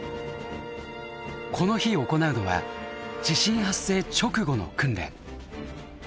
この日行うのは地震発生直後の訓練。